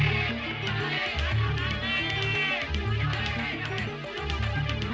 ini orang yang bangga itu istri